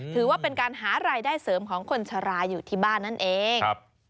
ถือว่าเป็นการหารายได้เสริมของคนชะลาอยู่ที่บ้านนั่นเอง